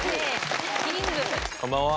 こんばんは。